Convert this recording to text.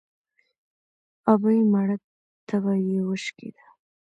ـ ابۍ مړه تبه يې وشکېده.